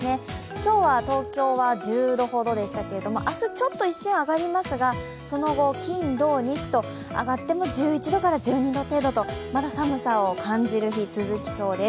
今日は東京は１０度ほどでしたけど、明日ちょっと一瞬上がりますが、その後、金土日と上がっても１１度から１２度程度とまだ寒さを感じる日続きそうです。